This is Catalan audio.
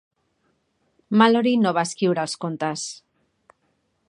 Malory no va escriure els contes.